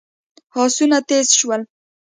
آسونه تېز شول.